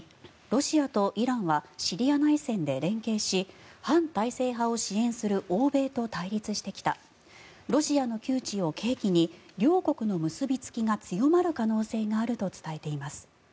ロシアとイランはシリア内戦で連携し反体制派を支援する欧米と対立してきたロシアの窮地を契機に両国の結びつきが強まる可能性があると伝えています。